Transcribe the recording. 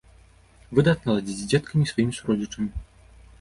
Выдатна ладзіць з дзеткамі і сваімі суродзічамі.